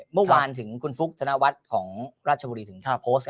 เมื่อวานถึงคุณฟุ๊กธนวัฒน์ของราชบุรีถึงโพสต์